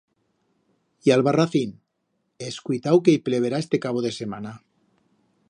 Y Albarracín? He escuitau que i pleverá este cabo de semana.